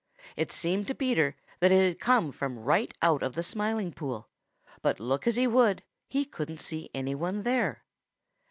It seemed to Peter that it had come from right out of the Smiling Pool, but look as he would, he couldn't see any one there.